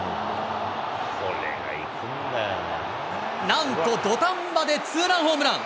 なんと土壇場でツーランホームラン。